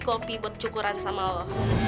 kopi buat cukuran sama allah